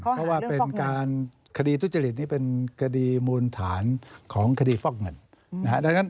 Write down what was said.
เพราะว่าคดีทุจริตนี้เป็นมูลฐานของคดีฟอกเงิน